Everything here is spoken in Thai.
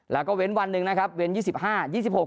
แล้วก็เว้นวันหนึ่งนะครับเว้นยี่สิบห้ายี่สิบหก